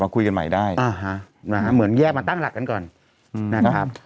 คุยกันใหม่ได้อ่าฮะนะฮะเหมือนแยกมาตั้งหลักกันก่อนอืมนั่นครับ